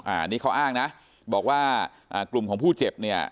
อันนี้เขาอ้างนะบอกว่าอ่ากลุ่มของผู้เจ็บเนี่ย